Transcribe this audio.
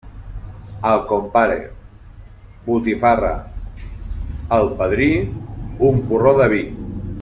Al compare, botifarra; al padrí, un porró de vi.